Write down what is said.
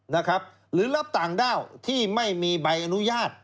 หรือรับต่างด้าวที่ไม่มีใบอนุญาต